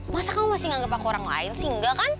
masa kamu masih nggak pakai orang lain sih enggak kan